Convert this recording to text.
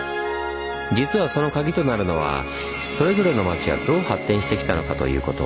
実はそのカギとなるのはそれぞれの町がどう発展してきたのかということ。